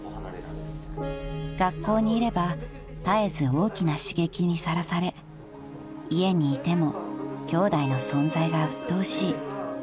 ［学校にいれば絶えず大きな刺激にさらされ家にいてもきょうだいの存在がうっとうしい］